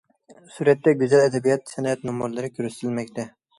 سۈرەتتە گۈزەل ئەدەبىيات- سەنئەت نومۇرلىرى كۆرسىتىلمەكتە.